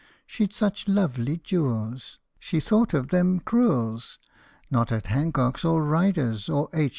She 'd such lovely jewels The thought of them cruel 's ! Not at Hancock's, or Ryder's, or H.